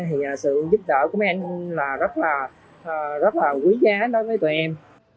thì sự giúp đỡ của mấy em là rất là quý giá đối với tụi em